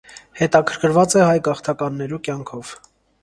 Հետաքրքրուած է հայ գաղթականներու կեանքով։